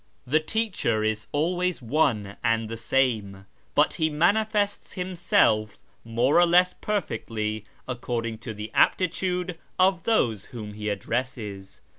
The teacher is always one and the same, but he manifests himself more or less perfectly according to the aptitude of those whom he addresses.